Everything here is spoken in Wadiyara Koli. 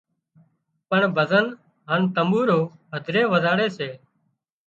پڻ ڀزن هانَ تمٻورو هڌري وزاڙي سي